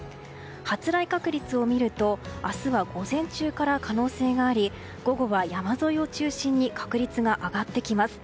発雷確率を見ると明日は午前中から可能性があり、午後は山沿いを中心に確率が上がってきます。